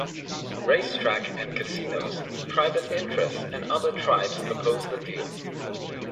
Race track and casinos, private interests and other tribes opposed the deal.